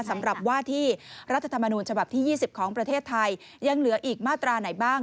สำหรับว่าที่รัฐธรรมนูญฉบับที่๒๐ของประเทศไทยยังเหลืออีกมาตราไหนบ้าง